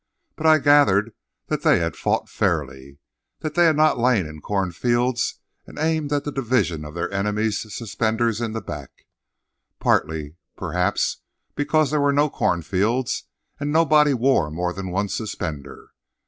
But I gathered that they had fought fairly; that they had not lain in cornfields and aimed at the division of their enemies' suspenders in the back—partly, perhaps, because there were no cornfields, and nobody wore more than one suspender.